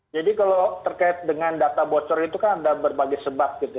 jadi kalau terkait dengan data bocor itu kan ada berbagai sebab gitu ya